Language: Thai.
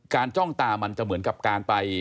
จ้องตามันจะเหมือนกับการไป